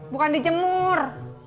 bukan di jemur